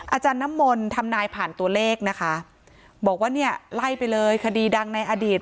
อาจารย์น้ำมนต์ทำนายผ่านตัวเลขนะคะบอกว่าเนี่ยไล่ไปเลยคดีดังในอดีต